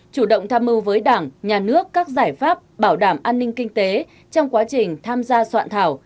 chủ động tham mưu với đảng nhà nước các giải pháp bảo đảm an ninh kinh tế trong quá trình tham gia soạn thảo